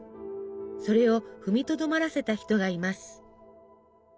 それを踏みとどまらせた人がいます。